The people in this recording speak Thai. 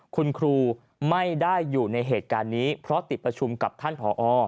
คุณครูไม่ได้อยู่ในเหตุการณ์นี้เพราะติดประชุมกับท่านผอ